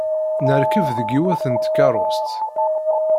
Nerkeb deg yiwet n tkeṛṛust.